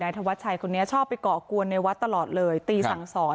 ธวัชชัยคนนี้ชอบไปก่อกวนในวัดตลอดเลยตีสั่งสอน